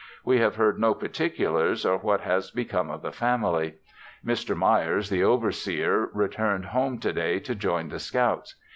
We have heard no particulars, or what has become of the family. Mr. Myers (the overseer) returned home to day to join the scouts.